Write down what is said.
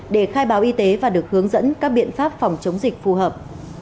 để khai báo y tế và được hướng dẫn các biện pháp phòng chống dịch phù hợp